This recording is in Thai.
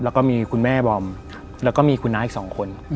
แล้วก็มีคุณแม่บอมแล้วก็มีคุณน้าอีก๒คน